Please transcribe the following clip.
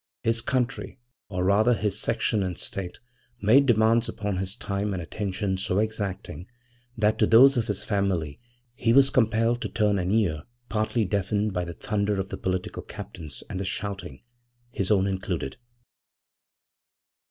His country, or rather his section and State, made demands upon his time and attention so exacting that to those of his family he was compelled to turn an ear partly deafened by the thunder of the political captains and the shouting, his own included.